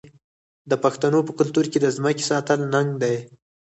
د پښتنو په کلتور کې د ځمکې ساتل ننګ دی.